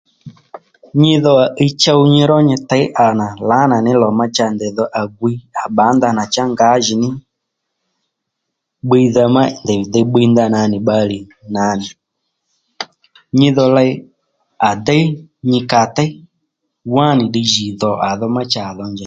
Nyi dho à iy chow nyi ró nyi tey ànà lǎna ní lò ma cha ndèy dho à gwiy à bbǎ ndanà chá ngǎjìní bbiydha má ndèy vi dey bbiy ndanà nì bbalè nà nyi dho ley à déy nyi kà tey wá nì ddiy jì dho à dho má cha à dho njèy nì